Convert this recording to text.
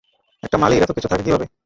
একটা মালীর এতকিছু থাকে কীভাবে?